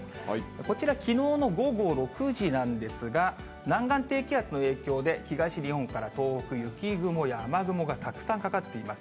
こちら、きのうの午後６時なんですが、南岸低気圧の影響で、東日本から東北、雪雲や雨雲がたくさんかかっています。